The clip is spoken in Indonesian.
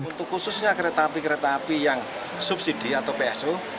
untuk khususnya kereta api kereta api yang subsidi atau pso